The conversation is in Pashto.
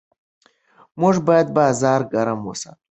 موږ باید بازار ګرم وساتو.